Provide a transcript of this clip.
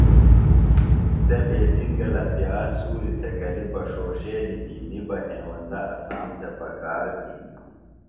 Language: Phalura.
سےۡ بیتِنگلہ پیاز سُوریۡ تھےۡ گلیۡ بہ ݜوݜینیۡ کی نیۡ بہ ہیوندہ اسام تھےۡ پکار بِھین۔